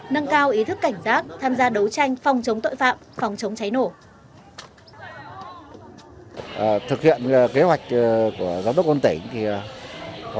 nâng cao ý thức cảnh giác tham gia đấu tranh phòng chống tội phạm phòng chống cháy nổ